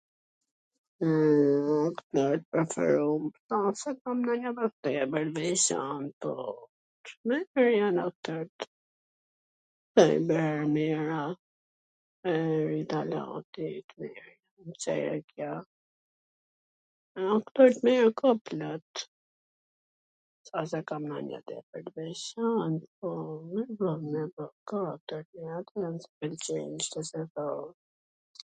kwngtar t preferum, jo se kam nonjw tepwr t veCant, po, ... aktor t mir ka plot, s a se kam nonjw tepwr t veCant, po .. ka aktor qw m pwlqejn ..